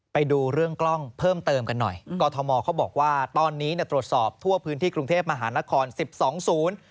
ไปดูเรื่องกล้องเพิ่มเติมกันหน่อยกรทมเขาบอกว่าตอนนี้เนี่ยตรวจสอบทั่วพื้นที่กรุงเทพมหานครสิบสองศูนย์